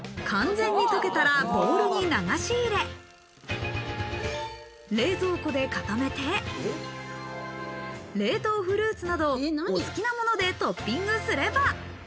完全に溶けたらボウルに流し入れ、冷蔵庫で固めて、冷凍フルーツなど、お好きなものでトッピングすれば。